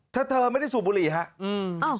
ถ้าเธอไม่ได้สูบบุหรี่ครับ